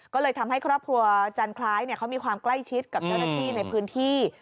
ก็เลยทำให้ครอบครัวจันคล้ายเขามีความใกล้ชิดกับเจ้าหน้าที่ในพื้นที่